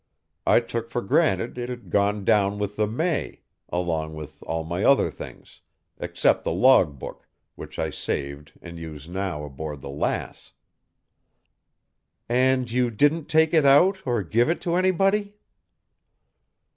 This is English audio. I took for granted it had gone down with the May, along with all my other things, except the log book, which I saved and use now aboard the Lass." "And you didn't take it out or give it to anybody?"